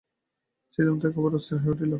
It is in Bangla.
ছিদাম তো একেবারে অস্থির হইয়া উঠিল।